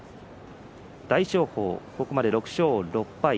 大翔鵬ここまで６勝６敗。